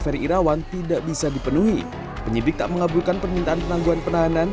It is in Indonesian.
ferry irawan tidak bisa dipenuhi penyidik tak mengabulkan permintaan penangguhan penahanan